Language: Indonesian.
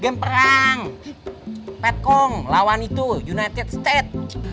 game perang pat kong lawan itu united states